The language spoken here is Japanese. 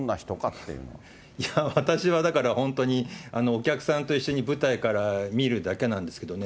いやー、私はだから本当にお客さんと一緒に舞台から見るだけなんですけどね。